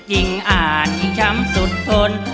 ยิ่งอาจยิ่งช้ำสุดทน